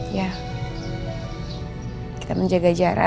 ya kita menjaga jarak